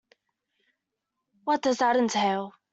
What does that entail?